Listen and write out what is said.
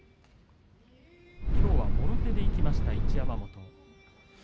きょうは、もろ手でいった一山本。